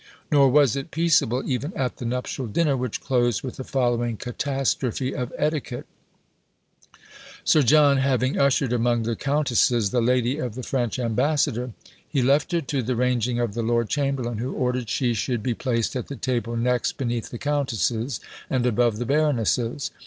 Nor was it peaceable even at the nuptial dinner, which closed with the following catastrophe of etiquette: Sir John having ushered among the countesses the lady of the French ambassador, he left her to the ranging of the lord chamberlain, who ordered she should be placed at the table next beneath the countesses, and above the baronesses.